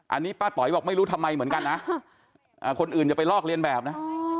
อันนี้ป้าต๋อยบอกไม่รู้ทำไมเหมือนกันนะคนอื่นอย่าไปลอกเรียนแบบนะ